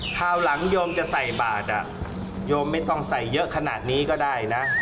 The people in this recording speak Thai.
คราวหลังโยมจะใส่บาทโยมไม่ต้องใส่เยอะขนาดนี้ก็ได้นะ